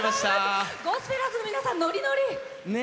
ゴスペラーズの皆さんノリノリ！